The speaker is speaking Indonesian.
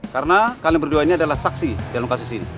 karena kalian berduanya adalah saksi dalam kasus ini ya